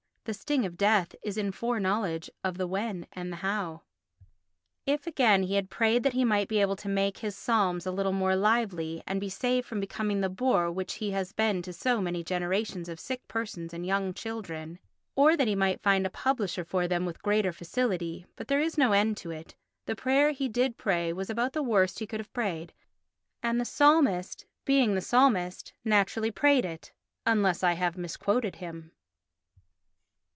The sting of death is in foreknowledge of the when and the how. If again he had prayed that he might be able to make his psalms a little more lively, and be saved from becoming the bore which he has been to so many generations of sick persons and young children—or that he might find a publisher for them with greater facility—but there is no end to it. The prayer he did pray was about the worst he could have prayed and the psalmist, being the psalmist, naturally prayed it—unless I have misquoted him.